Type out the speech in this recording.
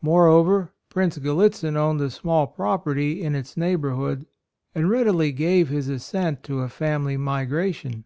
Moreover, Prince Gallitzin owned a small property in its neighbor hood, and readily gave his as sent to a family migration.